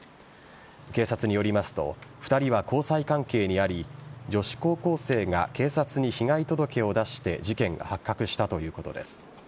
警察によりますと２人は交際関係にあり女子高校生が警察に被害届を出して事件が発覚したということです。